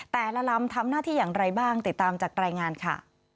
ลำทำหน้าที่อย่างไรบ้างติดตามจากรายงานค่ะ